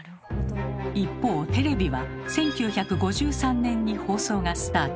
一方テレビは１９５３年に放送がスタート。